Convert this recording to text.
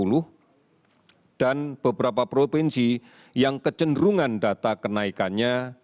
indonesia dengan kasus di bawah sepuluh dan beberapa provinsi yang kecenderungan data kenaikannya